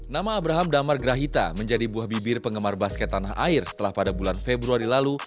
nama abraham damar grahita menjadi buah bibir penggemar basket tanah air setelah pada bulan februari lalu